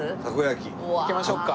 いきましょうか。